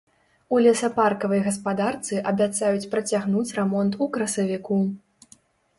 У лесапаркавай гаспадарцы абяцаюць працягнуць рамонт у красавіку.